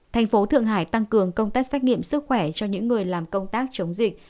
thành phố thượng hải tăng cường công tác xét nghiệm sức khỏe cho những người làm công tác chống dịch